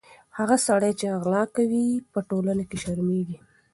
هغه سړی چې غلا کوي، په ټولنه کې شرمېږي.